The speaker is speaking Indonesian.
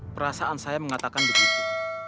perasaan saya mengatakan begitu